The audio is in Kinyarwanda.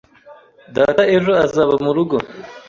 Data ejo azaba murugo.